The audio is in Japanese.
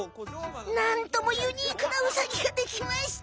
なんともユニークなウサギができました！